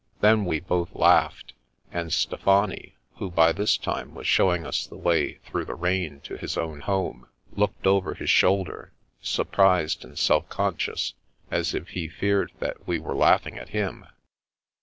Then we both laughed, and Stefani, who by this time was showing us the way through the rain to his own home, looked over his shoulder, surprised and self conscious, as if he feared that we were laughing at him.